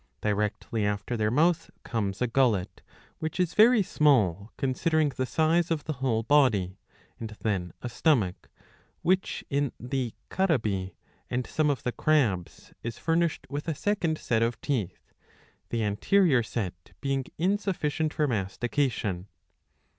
^^ Directly after their mouth comes a gullet, which is very small considering the size of the whole body ; and then a stomach, which in the Carabi and some of the Crabs is furnished with a second set of teeth, the anterior set being insufficient for mastication.